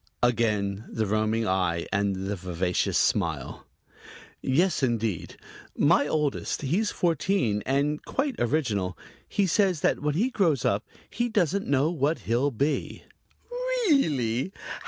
Again the roaming eye and the vivacious smile. "Yes, indeed. My oldest he's fourteen and quite original. He says that when he grows up he doesn't know what he'll be." "Really?